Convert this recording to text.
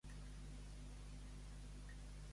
En plet i batalla ningú no hi guanya gaire.